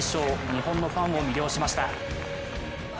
日本のファンを魅了しました。